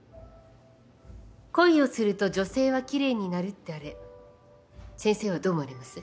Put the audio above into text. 「恋をすると女性は奇麗になる」ってあれ先生はどう思われます？